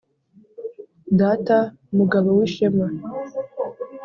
data mugabo w’ishema